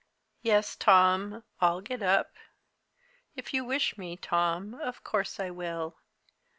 "Yes, Tom, I'll get up. If you wish me, Tom, of course I will.